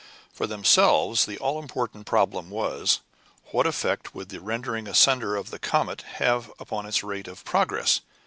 For themselves the all important problem was what effect would the rending asunder of the comet have upon its rate of progress?